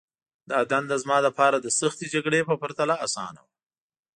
دا دنده زما لپاره د سختې جګړې په پرتله آسانه وه